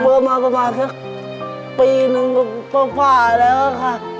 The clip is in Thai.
เบิร์มมาประมาณสักปีนึงปลอดภัยแล้วค่ะ